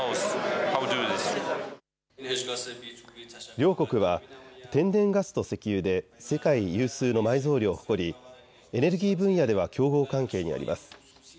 両国は天然ガスと石油で世界有数の埋蔵量を誇りエネルギー分野では競合関係にあります。